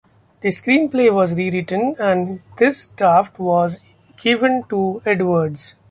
The screenplay was re-written and this draft was given to Edwards.